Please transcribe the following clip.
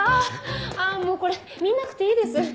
あぁもうこれ見なくていいです。